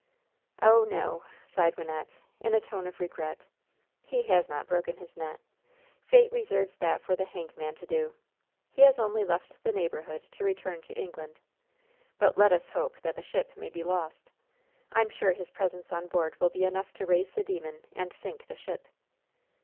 "Oh, no!" sighed Wynnette, in a tone of regret; "he has not broken his neck. Fate reserves that for the hangman to do! He has only left the neighborhood to return to England. But let us hope that the ship may be lost! I'm sure his presence on board will be enough to raise the demon and sink the ship!"